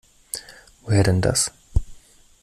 Woher denn das?